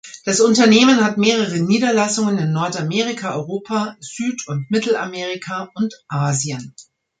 Das Unternehmen hat mehrere Niederlassungen in Nordamerika, Europa, Süd und Mittelamerika und Asien.